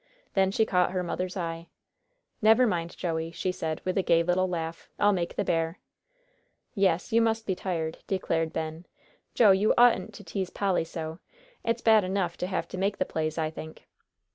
Then she caught her mother's eye. "Never mind, Joey," she said with a gay little laugh, "I'll make the bear." "Yes, you must be tired," declared Ben. "Joe, you oughtn't to tease Polly so. It's bad enough to have to make the plays, I think."